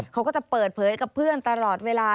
เขาก็จะเปิดเผยกับเพื่อนตลอดเวลา